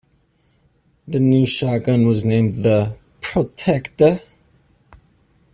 The new shotgun was named the "Protecta".